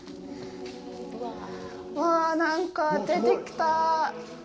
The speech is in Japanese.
うわ、なんか出てきた。